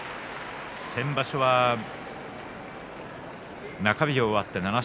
先場所は中日を終わって７勝